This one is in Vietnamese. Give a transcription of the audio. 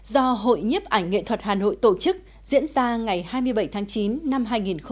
do hội nhiếp ảnh nghệ thuật hà nội tổ chức diễn ra ngày hai mươi bảy tháng chín năm hai nghìn một mươi chín